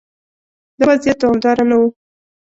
دا وضعیت دوامدار نه و.